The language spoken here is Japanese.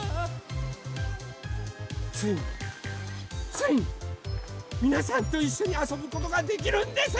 ついについにみなさんといっしょにあそぶことができるんです！